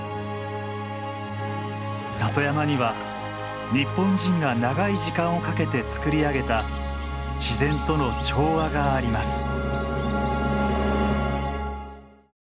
里山には日本人が長い時間をかけて作り上げた自然との調和があります。